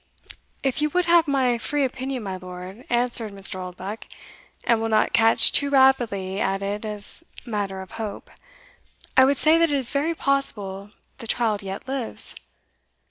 "If you would have my free opinion, my lord," answered Mr. Oldbuck, "and will not catch too rapidly at it as matter of hope, I would say that it is very possible the child yet lives.